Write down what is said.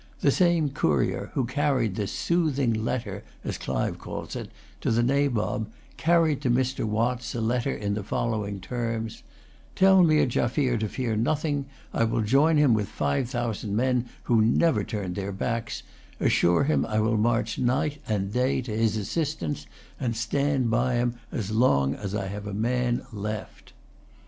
The same courier who carried this "soothing letter," as Clive calls it, to the Nabob, carried to Mr. Watts a letter in the following terms: "Tell Meer Jaffier to fear nothing. I will join him with five thousand men who never turned their backs. Assure him I will march night and day to his assistance, and stand by him as long as I have a man left."